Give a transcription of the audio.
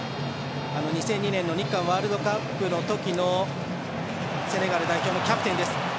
２００２年の日韓ワールドカップの時のセネガル代表のキャプテンです。